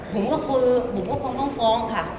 ก็คือบุ๋มก็คงต้องฟ้องค่ะ